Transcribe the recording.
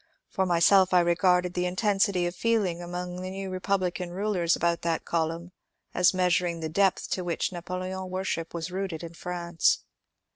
For myself I re garded the intensity of feeling among the new Republican rulers about that column as measuring the depth to which Napoleon worship was rooted in France.